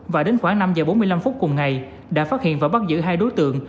và đến khoảng năm giờ bốn mươi năm phút cùng ngày đã phát hiện và bắt giữ hai đối tượng